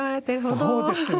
そうですね。